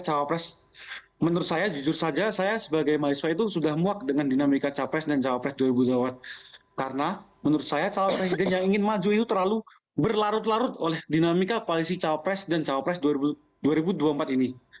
karena menurut saya cawapresiden yang ingin maju itu terlalu berlarut larut oleh dinamika koalisi capres dan capres dua ribu dua puluh empat ini